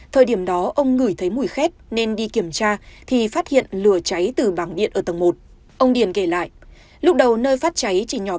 thời điểm đó ông ngửi thấy mùi khét nên đi kiểm tra thì phát hiện lửa cháy từ bảng điện ở tầng một